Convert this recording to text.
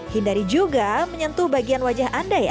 hindari juga menyentuh bagian wajah anda ya